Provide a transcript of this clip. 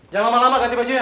jangan lama lama ganti bajunya